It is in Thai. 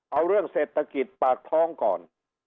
เอาเรื่องเศรษฐกิจปากท้องก่อน